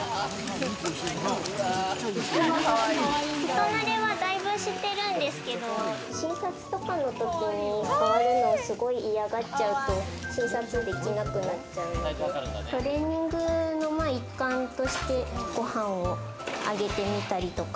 人なれはだいぶしてるんですけれども、診察とかのときに触るのをすごい嫌がっちゃうと診察できなくなっちゃうので、トレーニングの一環として、ご飯をあげてみたりとか。